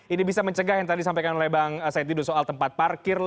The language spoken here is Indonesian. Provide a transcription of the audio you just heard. ini bisa mencegah yang tadi disampaikan oleh bang said didu soal tempat parkir